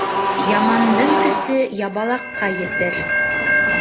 Ямандың көсө ябалаҡҡа етер.